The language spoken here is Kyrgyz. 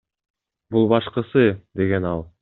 Бул башкысы, — деген ал.